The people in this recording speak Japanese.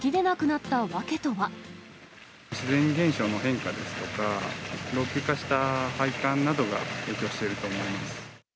自然現象の変化ですとか、老朽化した配管などが影響していると思います。